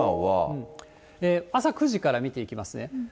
朝９時から見ていきますね。